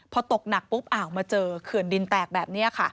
พอตกหนักปุ๊บอ่าวมาเจอเขื่อนดินแตกแบบนี้ค่ะ